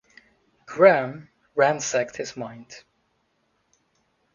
Graham ransacked his mind.